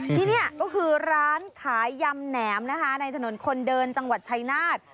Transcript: ที่นี่ก็คือร้านขายยำแหนมนะคะในถนนคนเดินจังหวัดชายนาฏ